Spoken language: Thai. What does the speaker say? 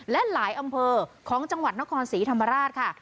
และหลายอำเภอของจังหวัดนครศรีธรรมราชค่ะ